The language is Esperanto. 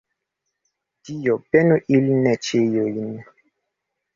Dio benu ilin ĉiujn!